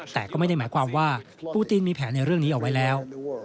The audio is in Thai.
แต่ก็ไม่ได้หมายความว่าปูตินมีแผนในเรื่องนี้เอาไว้แล้ว